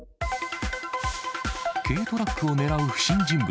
軽トラックを狙う不審人物。